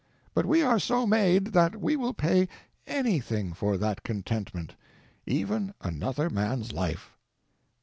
But we are so made that we will pay anything for that contentment—even another man's life.